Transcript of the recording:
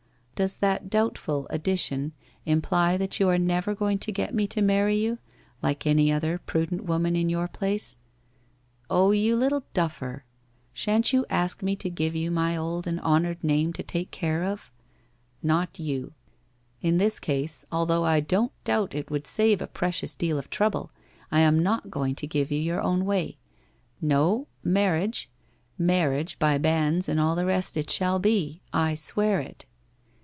Does that doubtful addition imply that you are never going to get me to marry you, like any other prudent woman in your place ? Oh you little duffer ! Shan't you ask me to give you my old and honoured name to take care of ? Not you! In this case, although I don't doubt it would save a precious deal of trouble, I am not going to give you your WHITE ROSE OF WEARY LEAF 273 own way. No, marriage — marriage by banns and all the rest it shall be, I swear it.'